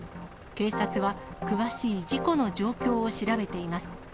警察は詳しい事故の状況を調べています。